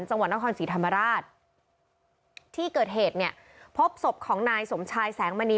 จังหวัดนครศรีธรรมราชที่เกิดเหตุเนี่ยพบศพของนายสมชายแสงมณี